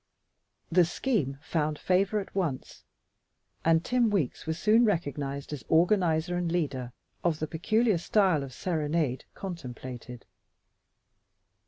The scheme found favor at once, and Tim Weeks was soon recognized as organizer and leader of the peculiar style of serenade contemplated.